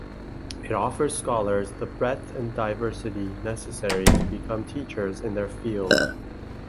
It offers scholars the breadth and diversity necessary to become teachers in their field.